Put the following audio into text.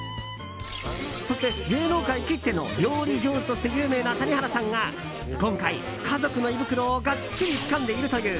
そして、芸能界きっての料理上手として有名な谷原さんが今回、家族の胃袋をがっちりつかんでいるという